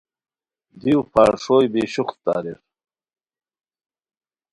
دیو پھار ݰوئے بی شوخت اریر